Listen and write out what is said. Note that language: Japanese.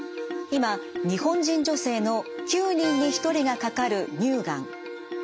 今日本人女性の９人に１人がかかる乳がん。